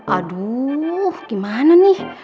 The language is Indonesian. aduh gimana nih